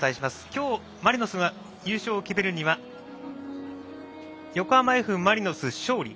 今日、マリノスが優勝を決めるには横浜Ｆ・マリノス勝利。